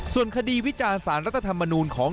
ส่วนคดีวิจารณ์สารรัฐธรรมนูลของ